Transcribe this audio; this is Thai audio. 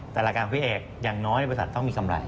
แต่รายการของพี่เอกอย่างน้อยบริษัทต้องมีกำไร